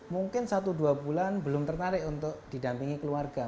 mungkin satu dua bulan belum tertarik untuk didampingi keluarga